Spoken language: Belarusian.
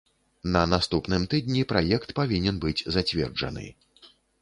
На наступным тыдні праект павінен быць зацверджаны.